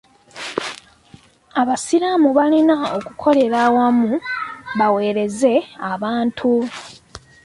Abasiraamu balina okukolera awamu baweereze abantu.